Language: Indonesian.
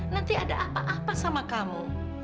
nanti ada apa apa sama kamu